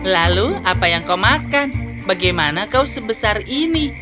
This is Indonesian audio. lalu apa yang kau makan bagaimana kau sebesar ini